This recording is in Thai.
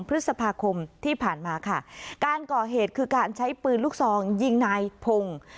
พฤษภาคมที่ผ่านมาค่ะการก่อเหตุคือการใช้ปืนลูกซองยิงนายพงศ์